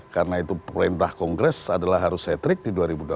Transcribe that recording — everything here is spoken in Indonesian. karena itu perintah kongres adalah harus setrik di dua ribu dua puluh empat